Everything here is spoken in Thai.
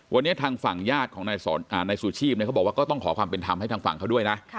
วันนี้ทางฝั่งญาติของนายซูชีพเขาบอกว่าก็ต้องขอความเป็นธรรมให้ทางฝั่งเขาด้วยนะ